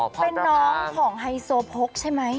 เป็นน้องของไฮโซโพกใช่ไหม